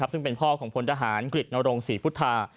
ซึ่งเป็นพ่อของพลทหารกฤตนรงศรีพุทธา